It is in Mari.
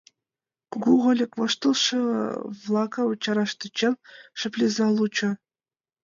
Кугу Ольок воштылшо-влакым чараш тӧчен: «Шып лийза лучо!